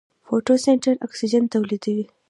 د فوټوسنتز اکسیجن تولیدوي.